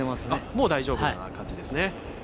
もう大丈夫な感じですね。